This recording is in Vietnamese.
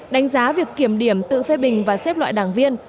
đánh giá việc kiểm điểm tự phê bình và xếp loại đảng viên